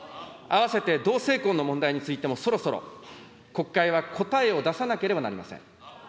併せて同性婚の問題についてもそろそろ国会は答えを出さなければなりません。